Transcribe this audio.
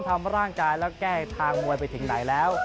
ทำร่างกายแล้วแก้ทางมวยไปถึงไหนแล้ว